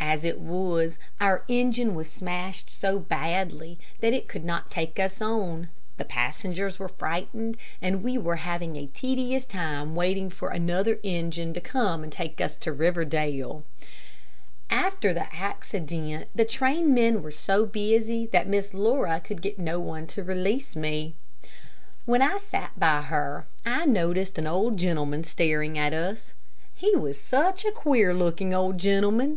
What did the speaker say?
As it was, our engine was smashed so badly that it could not take us on; the passengers were frightened; and we were having a tedious time waiting for another engine to come and take us to Riverdale. After the accident, the trainmen were so busy that Miss Laura could get no one to release me. While I sat by her, I noticed an old gentleman staring at us. He was such a queer looking old gentleman.